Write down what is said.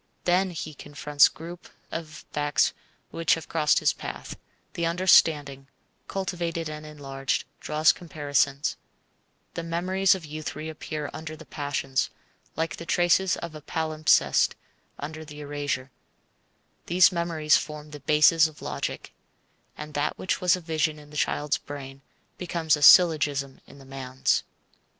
Then he confronts groups of facts which have crossed his path; the understanding, cultivated and enlarged, draws comparisons; the memories of youth reappear under the passions, like the traces of a palimpsest under the erasure; these memories form the bases of logic, and that which was a vision in the child's brain becomes a syllogism in the man's.